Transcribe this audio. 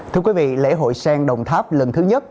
thưa quý vị lễ hội sen đồng tháp lần thứ nhất